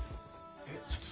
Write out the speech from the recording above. えっ？